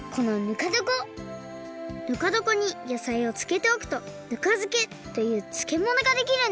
ぬかどこにやさいをつけておくとぬかづけというつけものができるんです。